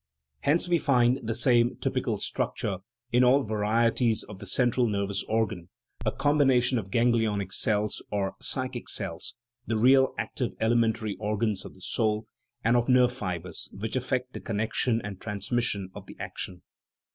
Hence we find the same typical structure in all varieties of the central nervous organ a combination of ganglionic cells, or "psychic cells" (the real active elementary organs of the soul), and of nerve fibres, which effect the connection and trans mission of the action.